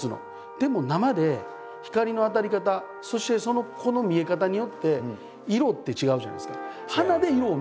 でも生で光の当たり方そしてこの見え方によって色って違うじゃないですか。